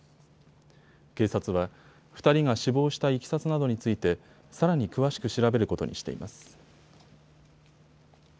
警察は２人が死亡したいきさつなどについて、さらに詳しく調べることにしています。